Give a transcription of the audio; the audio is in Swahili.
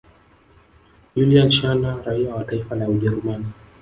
Julian Scherner raia wa taifa la Ujerumani